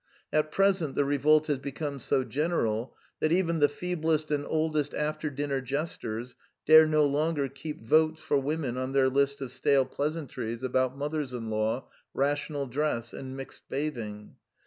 At present the revolt has become so general that even the feeblest and old est after dinner jesters dare no longer keep Votes for Women on their list of stale pleasantries about mothers in law, rational dress, and mixed bathing.